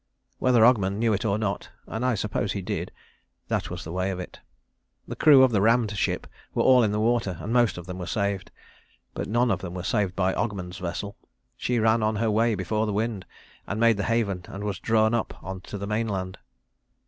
Whether Ogmund knew it or not and I suppose he did that was the way of it. The crew of the rammed ship were all in the water and most of them were saved. But none of them were saved by Ogmund's vessel. She ran on her way before the wind, and made the haven and was drawn up on to the mainland.